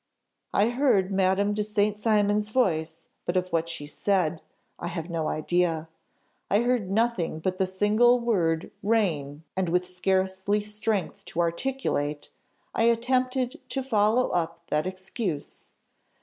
"I heard Madame de St. Cymon's voice, but of what she said, I have no idea. I heard nothing but the single word 'rain' and with scarcely strength to articulate, I attempted to follow up that excuse.